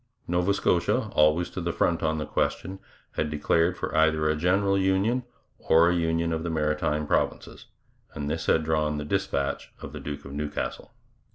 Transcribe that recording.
Nova Scotia, always to the front on the question, had declared for either a general union or a union of the Maritime Provinces, and this had drawn the dispatch of the Duke of Newcastle.